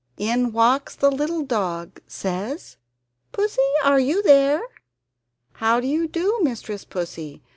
In walks the little dog says "Pussy are you there? How do you do Mistress Pussy?